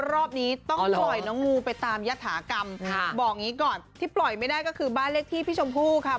รอบนี้ต้องปล่อยน้องงูไปตามยฐากรรมบอกอย่างนี้ก่อนที่ปล่อยไม่ได้ก็คือบ้านเลขที่พี่ชมพู่ค่ะ